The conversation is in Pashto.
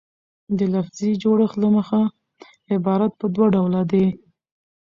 د لفظي جوړښت له مخه عبارت پر دوه ډوله ډﺉ.